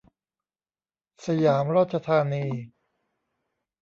สยามราชธานี